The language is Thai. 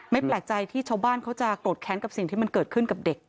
แปลกใจที่ชาวบ้านเขาจะโกรธแค้นกับสิ่งที่มันเกิดขึ้นกับเด็ก